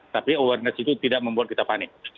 tapi awareness itu tidak membuat kita panik